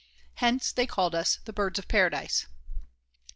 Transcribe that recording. Hence they called us the BIRDS OF PARADISE.